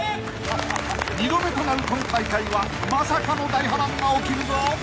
［２度目となる今大会はまさかの大波乱が起きるぞ！］